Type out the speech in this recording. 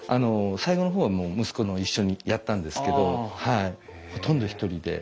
最後の方は息子も一緒にやったんですけどほとんど一人で。